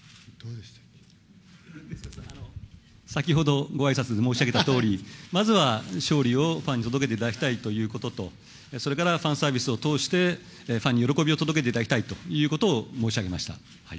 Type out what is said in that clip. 先ほど、ごあいさつで申し上げたとおり、まずは勝利をファンに届けていただきたいということと、それからファンサービスを通して、ファンに喜びを届けていただきたいということを申し上げました。